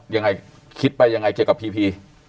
ยังไงคิดไปยังไงเกี่ยวกับพีพี